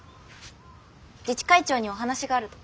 自治会長にお話があると。